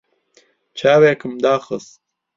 چاوێکم داخست.